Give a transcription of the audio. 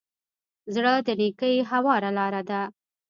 زړه د نېکۍ هواره لاره ده.